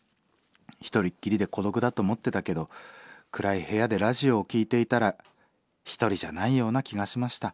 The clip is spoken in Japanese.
１人っきりで孤独だと思ってたけど暗い部屋でラジオを聴いていたら１人じゃないような気がしました。